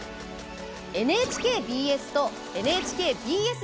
ＮＨＫＢＳとＮＨＫＢＳ